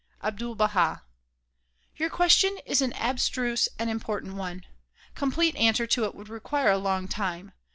Abdul Baha: Your question is an abstruse and important one. Complete answer to it would require a long time.